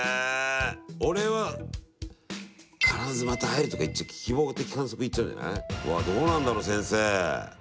俺は「必ずまた会える」とか言っちゃう希望的観測言っちゃうんじゃない？うわどうなんだろう先生。